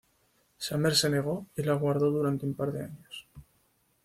Summer se negó y la guardó durante un par de años.